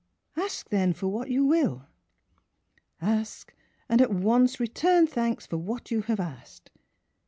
Ask, then, for what you will! Ask, and at once return thanks for what you have asked!